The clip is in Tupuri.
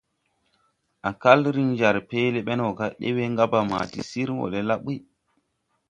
Á kal riŋ jar peelé ɓeŋ wɔ ga: « ɗee we gaɓaŋ ma ti sir naa le ɓuy ».